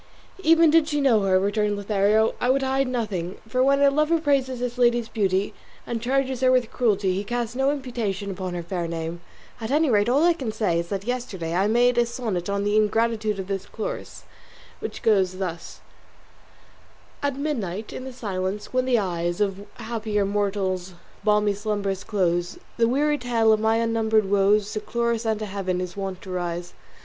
"Even did she know her," returned Lothario, "I would hide nothing, for when a lover praises his lady's beauty, and charges her with cruelty, he casts no imputation upon her fair name; at any rate, all I can say is that yesterday I made a sonnet on the ingratitude of this Chloris, which goes thus: SONNET At midnight, in the silence, when the eyes Of happier mortals balmy slumbers close, The weary tale of my unnumbered woes To Chloris and to Heaven is wont to rise.